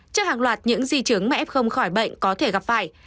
trước hàng loạt những di chứng mà f không khỏi bệnh có thể gặp phải